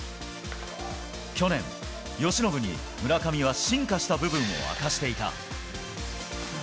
去年、由伸に村上は進化した部分を明かしていた。